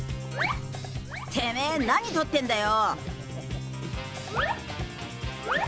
てめぇ、何撮ってんだよ！